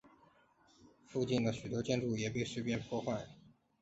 附近的许多建筑也被碎片破坏。